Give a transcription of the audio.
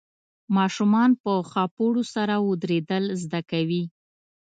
ماشومان په خاپوړو سره ودرېدل زده کوي.